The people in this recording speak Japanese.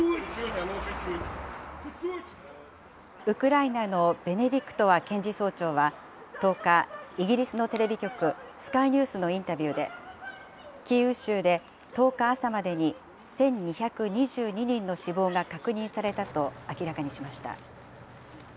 ウクライナのベネディクトワ検事総長は、１０日、イギリスのテレビ局、スカイニュースのインタビューで、キーウ州で、１０日朝までに、１２２２人の死亡が確認されたと明らかにしました。